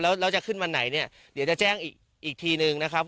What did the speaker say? แล้วจะขึ้นวันไหนเนี่ยเดี๋ยวจะแจ้งอีกทีนึงนะครับ